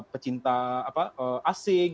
pecinta apa asing